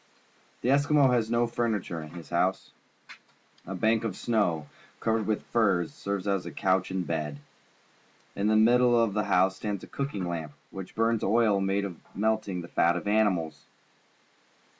The Eskimo has no furniture in his hou.se. A bank of snow, covered with furs, serves as couch and bed. In the middle of the house stands a cooking lamp, which burns oil made by melting the fat of animals.